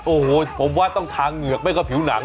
โอ้โหผมว่าต้องทางเหงือกไม่ก็ผิวหนัง